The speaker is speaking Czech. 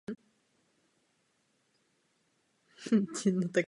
Kostel je vystavěn ve východní části města mimo městské opevnění.